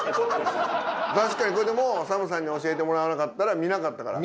確かにこれでもうＳＡＭさんに教えてもらわなかったら見なかったから。